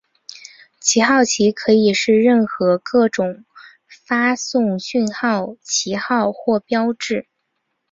讯号旗可以是任何各种用来发送讯号的旗号或标志。